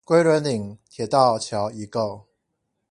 龜崙嶺鐵道橋遺構